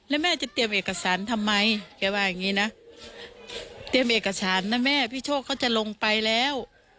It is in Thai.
แล้วแม่จะเตรียมเอกสารทำไมแกว่าอย่างนี้นะเตรียมเอกสารนะแม่พี่โชคเขาจะลงไปแล้ว